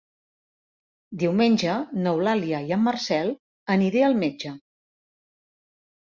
Diumenge n'Eulàlia i en Marcel aniré al metge.